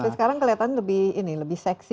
sekarang kelihatannya lebih seksi